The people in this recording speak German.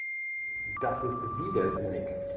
Das ist widersinnig.